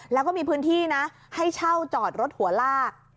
แล้วก็มีพื้นที่นะให้เช่าจอดรถหัวลาก